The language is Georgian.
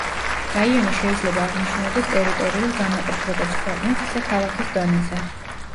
რაიონი შეიძლება აღნიშნავდეს ტერიტორიულ დანაყოფს როგორც ქვეყნის ისე ქალაქის დონეზე.